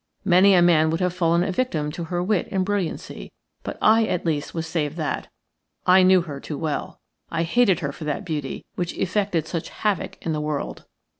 Many a man would have fallen a victim to her wit and brilliancy; but I at least was saved that – I knew her too well. I hated her for that beauty, which effected such havoc in the world.